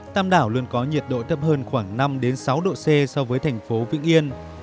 tam đảo luôn có nhiệt độ thấp hơn khoảng năm sáu độ c so với thành phố vĩnh yên